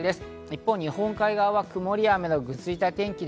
一方、日本海側は曇りや雨のぐずついた天気。